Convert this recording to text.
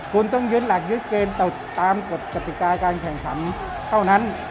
คุณต้องยึดหลักยึดเกณฑ์ตามกฎกติกาการแข่งขันเท่านั้น